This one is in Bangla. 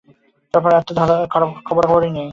তারপর আর তো তার খবরাখবর নাই।